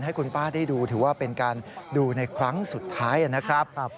ให้คุณป้าได้ดูถือว่าเป็นการดูในครั้งสุดท้ายนะครับ